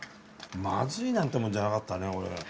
まずいなんてもんじゃなかったね。